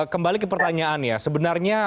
kembali ke pertanyaan ya sebenarnya